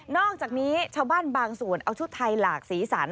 อกจากนี้ชาวบ้านบางส่วนเอาชุดไทยหลากสีสัน